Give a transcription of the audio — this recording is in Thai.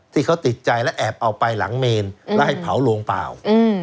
ที่เขาติดใจและแอบเอาไปหลังเมนแล้วให้เผาลงเปล่า